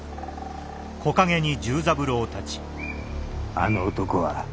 あの男は？